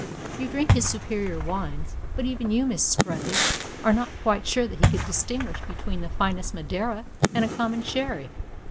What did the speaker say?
You drink his superior wines. But even you, Mrs. Grundy, are not quite sure that he could distinguish between the finest madeira and a common sherry.